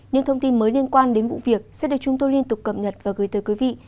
những thông tin mới liên quan đến vụ việc sẽ được chúng tôi liên tục cập nhật và gửi tới quý vị